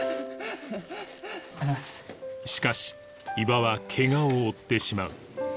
しかし伊庭は怪我を負ってしまう